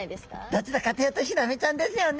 どちらかというとヒラメちゃんですよね。